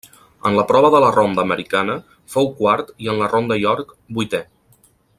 En la prova de la ronda americana fou quart i en la ronda York vuitè.